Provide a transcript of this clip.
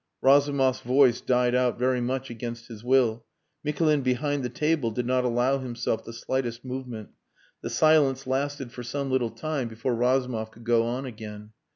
Razumov's voice died out very much against his will. Mikulin behind the table did not allow himself the slightest movement. The silence lasted for some little time before Razumov could go on again.